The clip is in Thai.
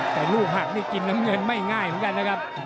แต่ลูกหักนี่กินน้ำเงินไม่ง่ายเหมือนกันนะครับ